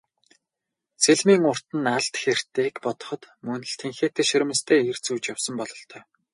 Сэлмийн урт нь алд хэртэйг бодоход мөн л тэнхээтэй шөрмөстэй эр зүүж явсан бололтой.